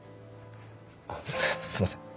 あっすいません。